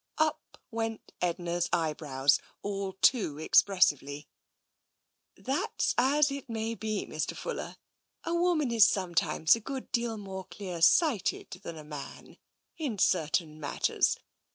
Up went Edna's eyebrows, all too expressively. " That's as it may be, Mr. Fuller. A woman is some times a good deal more clear sighted than a man, in certain matters.